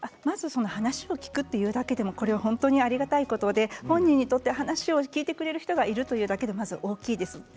話を聞くというだけでも本当にありがたいことで本人にとって話を聞いてくれる人がいるだけで大きいです。